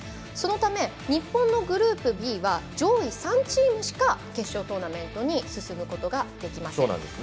そのための日本のグループＢは上位３チームしか決勝トーナメントに進むことができません。